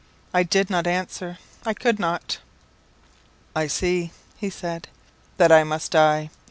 I did not answer I could not. "I see," he said, "that I must die.